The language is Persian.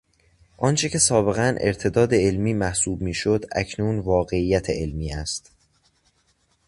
آنچه که سابقا ارتداد علمی محسوب میشد اکنون واقعیت علمی است.